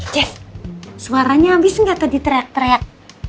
jess suaranya abis gak tadi teriak teriak